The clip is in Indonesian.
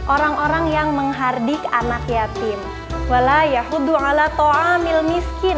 orang orang yang menghardik anak yatim